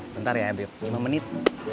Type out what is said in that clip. bentar ya lima menit